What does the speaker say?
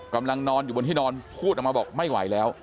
กำลังนอนอยู่บนที่นอนพูดออกมาบอกไม่ไหวแล้ว